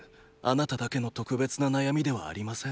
あなただけの特別な悩みではありません。